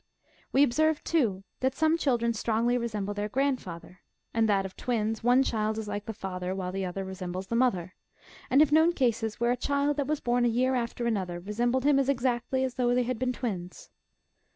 ^'^ AYe observe, too, that some children strongly re semble their grandfather, and that of twins one child is like the father, while the other resembles the mother ; and have known cases where a child that was born a j^ear after another, re sembled him as exactly as though they had been twins.